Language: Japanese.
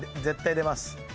絶対出ます。